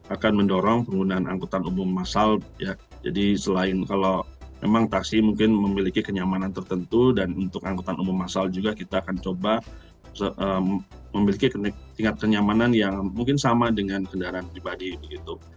akan mendorong penggunaan angkutan umum masal ya jadi selain kalau memang taksi mungkin memiliki kenyamanan tertentu dan untuk angkutan umum masal juga kita akan coba memiliki tingkat kenyamanan yang mungkin sama dengan kendaraan pribadi begitu